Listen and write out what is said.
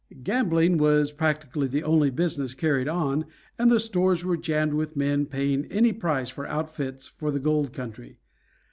Gambling was practically the only business carried on, and the stores were jammed with men paying any price for outfits for the gold country.